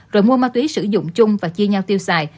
rồi mua ma túy sử dụng chung và chia nhau tiêu xài